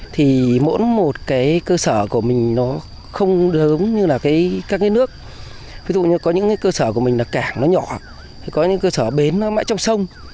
thì mỗi một cái cơ sở của mình nó không giống như là các cái nước ví dụ như có những cơ sở của mình là cảng nó nhỏ có những cơ sở bến bãi trong sông